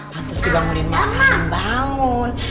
patus dibangunin makan dan bangun